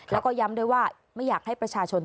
แล้วก็ย้ำด้วยว่าไม่อยากให้ประชาชน